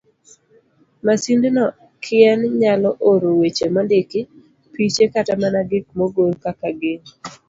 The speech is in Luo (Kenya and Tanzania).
Masindno kien nyalo oro weche mondiki, piche, kata mana gik mogor kaka gin.